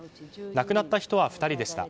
亡くなった人は２人でした。